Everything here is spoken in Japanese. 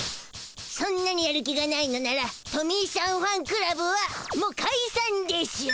そんなにやる気がないのならトミーしゃんファンクラブはもうかいさんでしゅ！